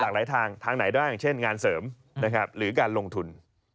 หลากหลายทางทางไหนได้เช่นงานเสริมหรือการลงทุน